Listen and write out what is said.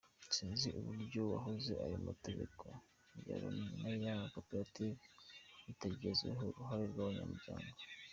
sinzi uburyo wahuza ayo mategeko ya Union n’aya koperative bitagizwemo uruhare n’abanyamuryango.